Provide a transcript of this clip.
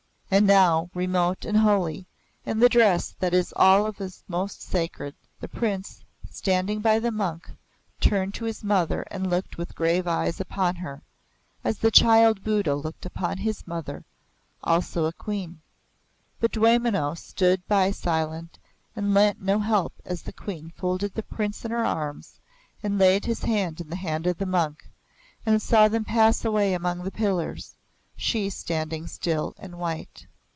And now, remote and holy, in the dress that is of all most sacred, the Prince, standing by the monk, turned to his mother and looked with grave eyes upon her, as the child Buddha looked upon his Mother also a Queen. But Dwaymenau stood by silent and lent no help as the Queen folded the Prince in her arms and laid his hand in the hand of the monk and saw them pass away among the pillars, she standing still and white.